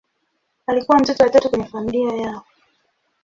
Alikuwa mtoto wa tatu kwenye familia yao.